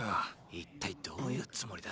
一体どういうつもりだ？